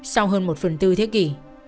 sau hơn một phần tư thế kỷ